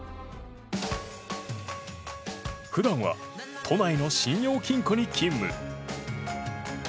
普段は都内の信用金庫に勤務。